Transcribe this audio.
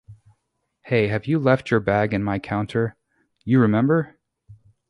Hey, you left your bag in my counter! You remember?